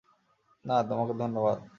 না, তোমাকে ধন্যবাদ!